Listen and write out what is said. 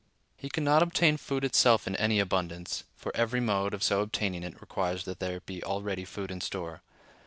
He can not obtain food itself in any abundance; for every mode of so obtaining it requires that there be already food in store.